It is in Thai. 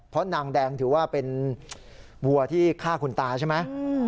เพราะนางแดงถือว่าเป็นวัวที่ฆ่าคุณตาใช่ไหม